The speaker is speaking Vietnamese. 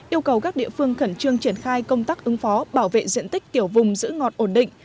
yêu cầu các địa phương khẩn trương triển khai công tác ứng phó bảo vệ diện tích tiểu vùng giữ ngọt ổn định